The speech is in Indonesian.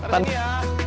terima kasih ya